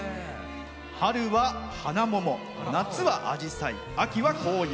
春はハナモモ、夏はアジサイ秋は紅葉。